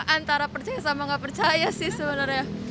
antara percaya sama nggak percaya sih sebenarnya